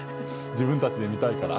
自分たちで見たいから。